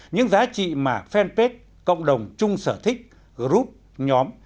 những giá trị mà fanpage cộng đồng chung sở thích group nhóm